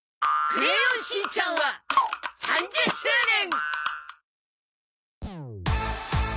『クレヨンしんちゃん』は３０周年。